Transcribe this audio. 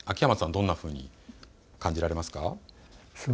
どんなふうに感じられますか。